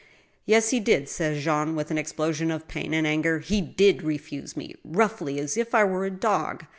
" Yes, he did," said Jean, with an explosion of pain and anger —he did refuse me, roughly, as if I were a dog.